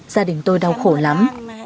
gia đình tôi đau khổ lắm